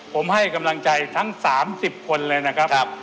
ผมให้กำลังใจทั้ง๓๐คนเลยนะครับ